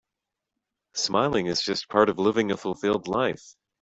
Smiling is just part of living a fulfilled life.